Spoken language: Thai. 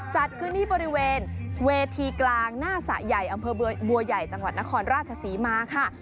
จัดขึ้นที่บริเวณเวทีกลางหน้าสระใหญ่อำเภอบัวใหญ่จังหวัดนครราชศรีมาค่ะ